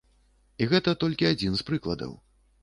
І гэта толькі адзін з прыкладаў.